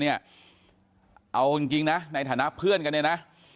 เอาจริงในฐานะเพื่อนกัน